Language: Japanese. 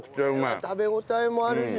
これは食べ応えもあるし。